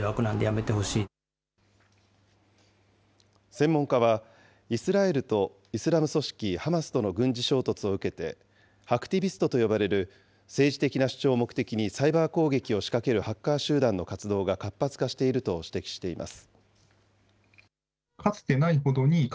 専門家は、イスラエルとイスラム組織ハマスとの軍事衝突を受けて、ハクティビストと呼ばれる政治的な主張を目的にサイバー攻撃を仕掛けるハッカー集団の活動が活発化していると指摘しています。